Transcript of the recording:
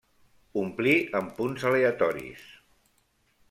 Omplir amb punts aleatoris.